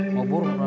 udah burung juga